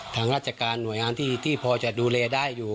ทางราชการหน่วยงานที่พอจะดูแลได้อยู่